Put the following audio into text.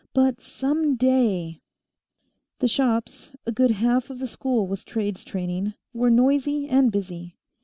But some day " The shops a good half of the school was trades training were noisy and busy.